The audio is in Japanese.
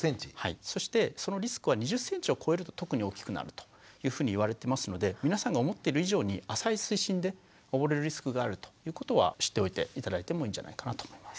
そしてそのリスクは２０ｃｍを超えると特に大きくなるというふうにいわれてますので皆さんが思ってる以上に浅い水深で溺れるリスクがあるということは知っておいて頂いてもいいんじゃないかなと思います。